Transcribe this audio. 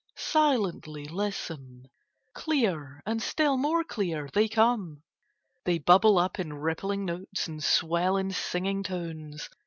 Silently listen! Clear, and still more clear, they come. They bubble up in rippling notes, and swell in singing tones.